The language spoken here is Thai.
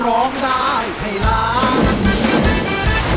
ร้องได้ให้ล้าน